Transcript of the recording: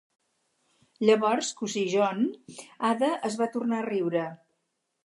"Llavors, cosí John-" Ada es va tornar a riure.